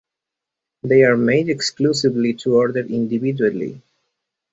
They are made exclusively to order individually.